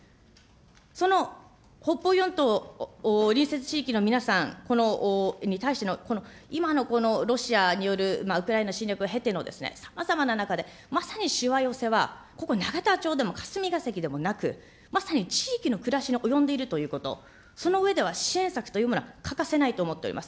その北方四島隣接地域の皆さんに対してのこの今のロシアによるウクライナ侵略を経てのさまざまな中で、まさにしわ寄せはここ、永田町でも霞ケ関でもなく、まさに地域の暮らしに及んでいるということ、その上では支援策というものは欠かせないと思っております。